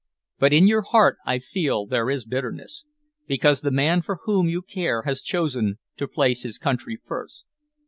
But in your heart I feel there is bitterness, because the man for whom you care has chosen to place his country first.